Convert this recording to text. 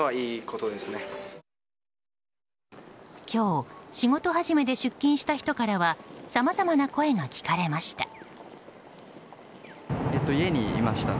今日仕事始めで出勤した人からはさまざまな声が聞かれました。